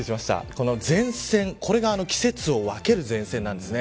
この前線、これが季節を分ける前線なんです。